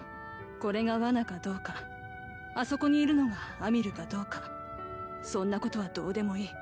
これが罠かどうかあそこにいるのが亜未琉かどうかそんなことはどうでもいい。